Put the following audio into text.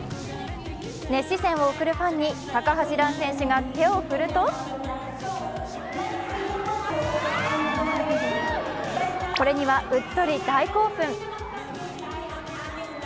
熱視線を送るファンに高橋藍選手が手を振るとこれには、うっとり大興奮。